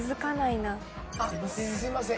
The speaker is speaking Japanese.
すいません